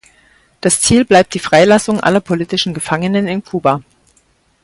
Das Ziel bleibt die Freilassung aller politischen Gefangenen in Kuba.